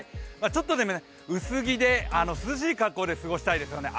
ちょっと薄着で涼しい格好で過ごしたいですね。